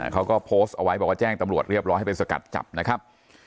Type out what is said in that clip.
เขาก็โพสต์เอาไว้บอกว่าแจ้งตำรวจเรียบร้อยให้ไปสกัดจับนะครับ